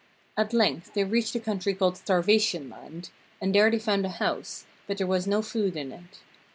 At length they reached the country called Starvation land, and there they found a house, but there was no food in it.